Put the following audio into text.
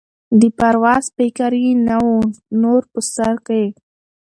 د پرواز فکر یې نه وو نور په سر کي